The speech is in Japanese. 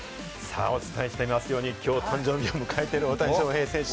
お伝えしていますようにきょう誕生日を迎えている大谷翔平選手。